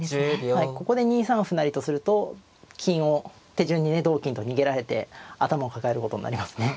はいここで２三歩成とすると金を手順にね同金と逃げられて頭を抱えることになりますね。